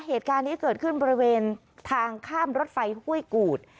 เหตุการณ์นี้เกิดขึ้นบริเวณทางข้ามรถไฟห้วยกูด